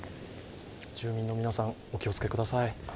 住民の皆さん、お気をつけください。